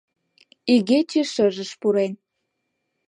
Игече шыжыш пурен.